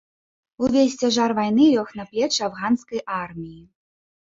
Увесь цяжар вайны лёг на плечы афганскай арміі.